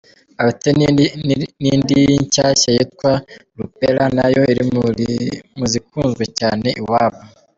Afite n’indi nshyashya yitwa “Lupela” nayo iri mu zikunzwe cyane iwabo.